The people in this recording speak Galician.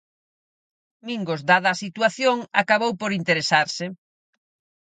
Mingos, dada a situación, acabou por interesarse.